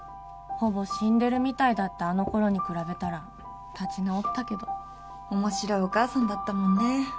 ほぼ死んでるみたいだったあの頃に比べたら立ち直ったけど面白いお母さんだったもんね